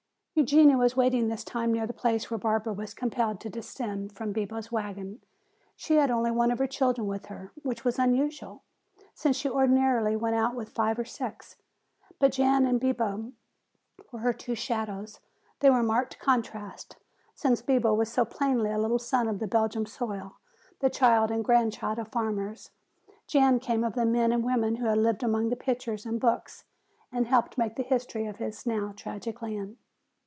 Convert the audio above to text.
Eugenia was waiting this time near the place where Barbara was compelled to descend from Bibo's wagon. She had only one of her children with her, which was unusual, since she ordinarily went about with five or six. But Jan and Bibo were her two shadows. They were marked contrasts, since Bibo was so plainly a little son of the Belgian soil, the child and grandchild of farmers. Jan came of the men and women who have lived among pictures and books and helped make the history of his now tragic land.